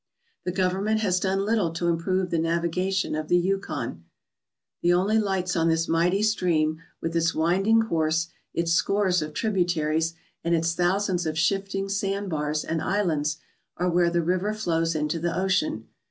The Government has done little to improve the navi gation of the Yukon. The only lights on this mighty streaifl, with its winding course, its scores of tributaries, and its thousands of shifting sand bars and islands, are where the river flows into the ocean.